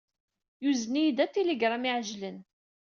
Yuzen-iyi-d atiligram iɛeǧlen.